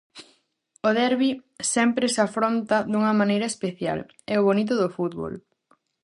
O derbi sempre se afronta dunha maneira especial, é o bonito do fútbol.